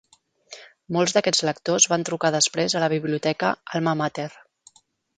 Molts d'aquests lectors van trucar després a la biblioteca Alma Mater.